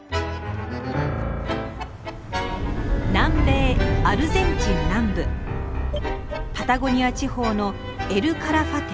南米アルゼンチン南部パタゴニア地方のエル・カラファテ。